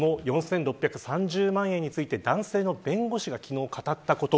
この４６３０万円について男性の弁護士が昨日語ったこと。